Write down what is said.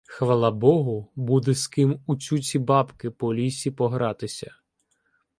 — Хвала Богу, буде з ким у цюці-бабки по лісі погратися.